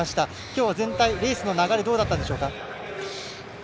きょうは全体、レースの流れどうだったんでしょうか？